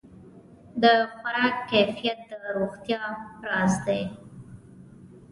د خوراک کیفیت د روغتیا راز دی.